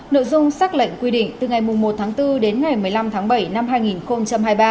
nội dung xác lệnh quy định từ ngày một tháng bốn đến ngày một mươi năm tháng bảy năm hai nghìn hai mươi ba